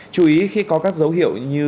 chú ý khi có các dấu hiệu như